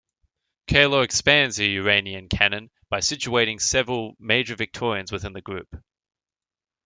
Kaylor expands the Uranian canon by situating several major Victorians within the group.